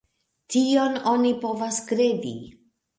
Tion oni povas kredi.